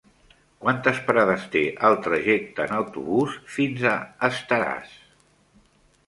Quantes parades té el trajecte en autobús fins a Estaràs?